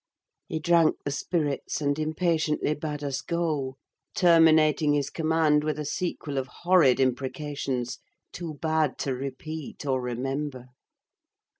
He drank the spirits and impatiently bade us go; terminating his command with a sequel of horrid imprecations too bad to repeat or remember.